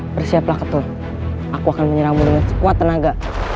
bersiaplah ketul aku akan menyerahmu dengan sekuat tenaga